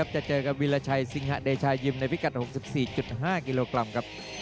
จะเจอกับวิราชัยสิงหะเดชายิมในพิกัด๖๔๕กิโลกรัมครับ